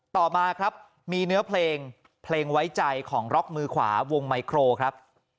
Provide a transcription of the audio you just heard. ต่อมาครับมีเนื้อเพลงเพลงไว้ใจของร็อกมือขวาวงไมโครครับ